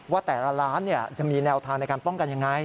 ว่าแต่ละร้านจะมีแนวทางในการป้องกันยังไง